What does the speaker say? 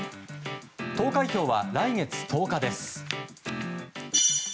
投開票は来月１０日です。